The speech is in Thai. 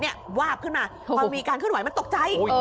เนี่ยวาบขึ้นมาความมีการเคลื่อนไหวมันตกใจ